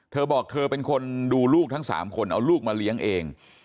เธอบอกเธอเป็นคนดูลูกทั้ง๓คนเอาลูกมาเลี้ยงเอง